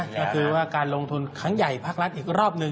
ก็คือว่าการลงทุนครั้งใหญ่ภาครัฐอีกรอบหนึ่ง